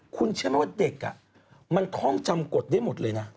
คุณเชื่อไหมว่าเด็กมันท่องจำกฎได้หมดเลยนะ